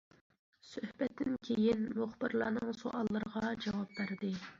سۆھبەتتىن كېيىن، مۇخبىرلارنىڭ سوئاللىرىغا جاۋاب بەردى.